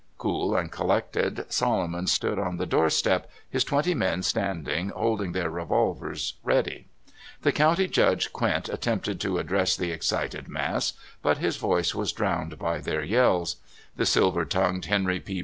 Cool and collected, Solomon stood on the door step, his twenty men standing holding their revolv ers ready. The County Judge Quint attempted to address the excited mass, but his voice was drowned by their yells. The silver tongued Henry P.